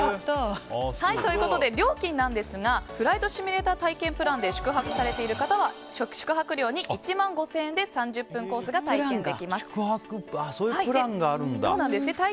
ということで料金ですがフライトシミュレーター体験プランで宿泊されている方は宿泊料に１万５０００円で３０分コースがそういうプランがあるんだ。